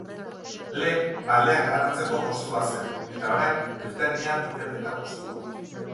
Lehen baleak harrapatzeko postua zen eta orain britaniar ikerketa postua.